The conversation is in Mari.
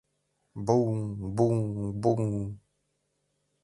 Буҥ-буҥ-буҥ!